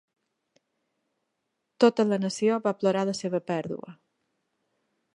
Tota la nació va plorar la seva pèrdua.